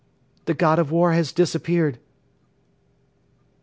... The God of War has disappeared.